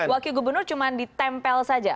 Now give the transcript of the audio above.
wakil gubernur cuma ditempel saja